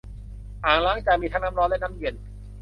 อ่างล้างจานมีทั้งน้ำร้อนและน้ำเย็น